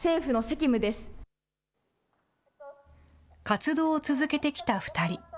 活動を続けてきた２人。